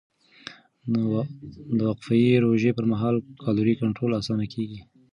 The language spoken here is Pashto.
د وقفهيي روژې پر مهال کالوري کنټرول اسانه کېږي.